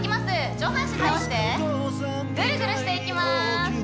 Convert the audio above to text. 上半身倒してグルグルしていきます